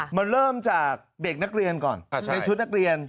มันเริ่มจากเด็กนักเรียนก่อนในชุดนักเรียน